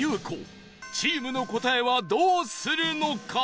チームの答えはどうするのか？